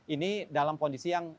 ini dalam kondisi yang